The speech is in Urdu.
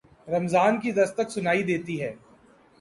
رمضان کی دستک سنائی دیتی ہے۔